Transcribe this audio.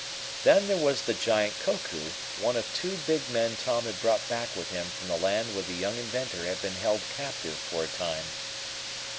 Then there was the giant Koku, one of two big men Tom had brought back with him from the land where the young inventor had been held captive for a time.